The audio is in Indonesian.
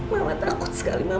mama takut sekali